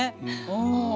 うん。